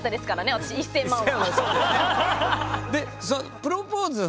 私１，０００万は。